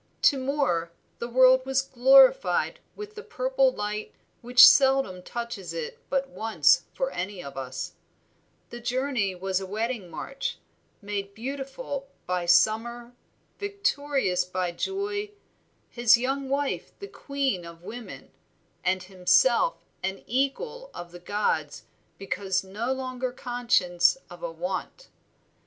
To Moor the world was glorified with the purple light which seldom touches it but once for any of us; the journey was a wedding march, made beautiful by summer, victorious by joy; his young wife the queen of women, and himself an equal of the gods because no longer conscious of a want.